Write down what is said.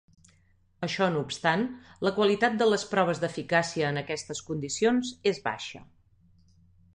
Això no obstant, la qualitat de les proves d'eficàcia en aquestes condicions és baixa.